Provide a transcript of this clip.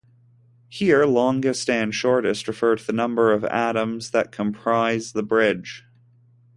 Here "longest" and "shortest" refer to the number of atoms that comprise the bridge.